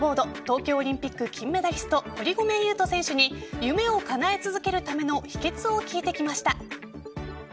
東京オリンピック金メダリスト堀米雄斗選手に夢をかなえ続けるための秘訣を聞いてきました。